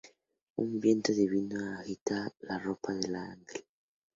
Un viento divino agita la ropa del ángel.